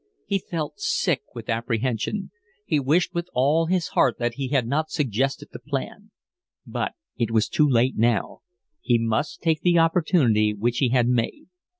He felt sick with apprehension. He wished with all his heart that he had not suggested the plan; but it was too late now; he must take the opportunity which he had made.